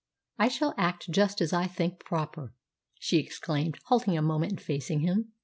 "I shall act just as I think proper," she exclaimed, halting a moment and facing him.